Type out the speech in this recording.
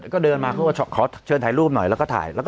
ก็เดินมาเขาก็ขอเชิญถ่ายรูปหน่อยแล้วก็ถ่ายแล้วก็